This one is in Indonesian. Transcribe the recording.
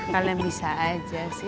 kalian bisa aja sih